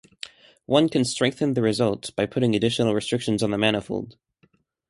One can strengthen the results by putting additional restrictions on the manifold.